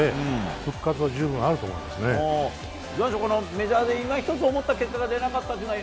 復活は十分メジャーでいまひとつ思った結果が出なかったのは